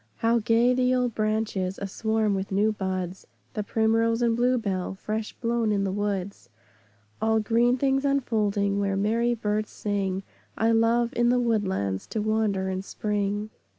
How gay, the old branches A swarm with new buds, The primrose and bluebell Fresh blown in the woods, All green things unfolding, Where merry birds sing! I love in the Woodlands To wander in Spring.